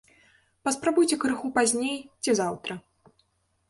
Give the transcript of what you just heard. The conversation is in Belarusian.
Паспрабуйце крыху пазней ці заўтра.